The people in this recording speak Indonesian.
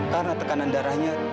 karena tekanan darahnya